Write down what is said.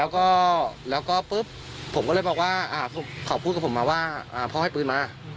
เขาพูดกับผมมาว่าพ่อให้พื้นมา